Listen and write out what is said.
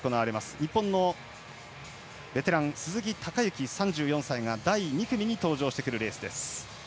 日本のベテラン鈴木孝幸、３４歳が第２組に登場してくるレース。